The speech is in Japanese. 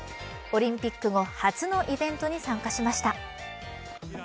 オリンピック後、初のイベントに参加しました。